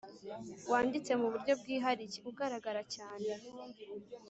wanditse mu buryo bwihariye (ugaragara cyane).